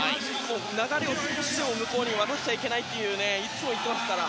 流れを少しでも向こうに渡しちゃいけないといつも言っていますから。